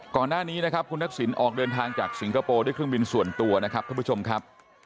ก่อนหน้านี้นะครับคุณทักษิณออกเดินทางจากสิงคโปร์ด้วยเครื่องบินส่วนตัวนะครับท่านผู้ชมครับ